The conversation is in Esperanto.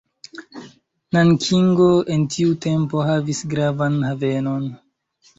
Nankingo en tiu tempo havis gravan havenon.